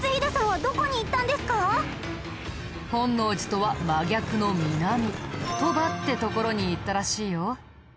本能寺とは真逆の南鳥羽って所に行ったらしいよ。